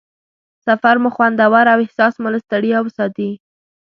سفر مو خوندور او احساس مو له ستړیا وساتي.